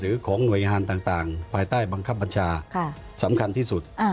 หรือของหน่วยหาลต่างไปใต้บังคับปัญชาสำคัญที่สุด